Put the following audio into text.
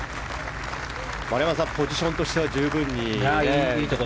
丸山さん、ポジションとしては十分にいいところ。